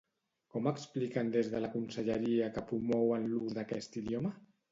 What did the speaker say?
Com expliquen des de la conselleria que promouen l'ús d'aquest idioma?